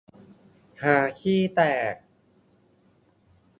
ฮาขี้แตก